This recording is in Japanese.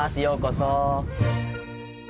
ようこそ。